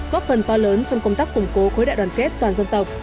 góp phần to lớn trong công tác củng cố khối đại đoàn kết toàn dân tộc